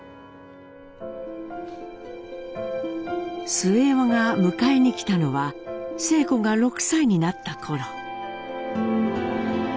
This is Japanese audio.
末男が迎えに来たのは晴子が６歳になったころ。